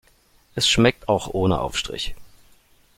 Es schmeckt auch ohne Aufstrich.